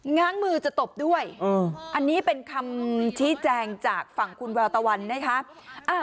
ง้างมือจะตบด้วยอันนี้เป็นคำชี้แจงจากฝั่งคุณแววตะวันนะคะ